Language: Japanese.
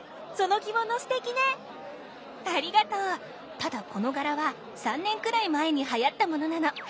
ただこの柄は３年くらい前にはやったものなの。